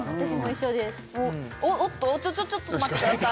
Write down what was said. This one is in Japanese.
ちょちょちょっと待ってください！